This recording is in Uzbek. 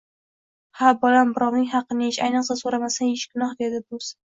Ha bolam, birovning haqini yeyish, ayniqsa, so‘ramasdan yeyish gunoh, dedi buvisi